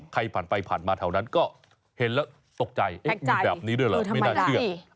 ใครผ่านไปผ่านมาแถวนั้นก็เห็นแล้วตกใจมีแบบนี้ด้วยเหรอไม่น่าเชื่อ